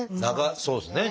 そうですね